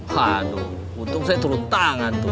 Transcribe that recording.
haduh untung saya turun tangan tuh